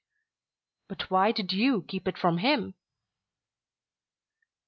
"But why did you keep it from him?"